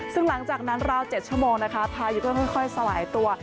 ซึ่งหลังจากนั้นราว๗ชั่วโมงนะคะพายุก็ค่อยสลายตัว